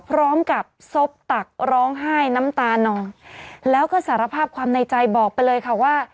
พร้อมกับซบตักร้องไห้น้ำตานองแล้วก็สารภาพความในใจบอกไปเลยค่ะว่า